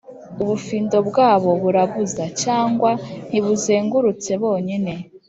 ubufindo bwabo burabuza: cyangwa ntibuzengurutse bonyine